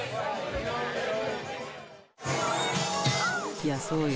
いやそうよ。